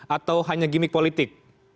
atau hanya gimmick politik